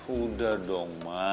udah dong ma